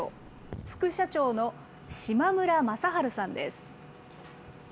副社長の島村雅晴さんです。